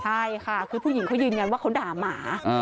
ใช่ค่ะคือผู้หญิงเขายืนยันว่าเขาด่าหมา